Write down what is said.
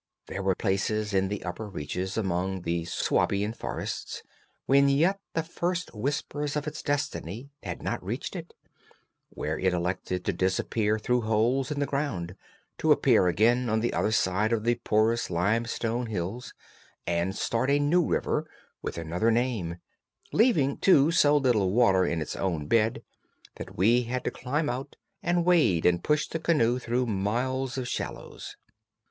There were places in the upper reaches among the Swabian forests, when yet the first whispers of its destiny had not reached it, where it elected to disappear through holes in the ground, to appear again on the other side of the porous limestone hills and start a new river with another name; leaving, too, so little water in its own bed that we had to climb out and wade and push the canoe through miles of shallows.